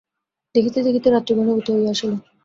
দেখিতে দেখিতে রাত্রি ঘনীভূত হইয়া আসিল।